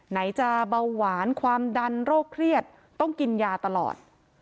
ไหนจะเบาหวานความดันโรคเครียดต้องกินยาตลอด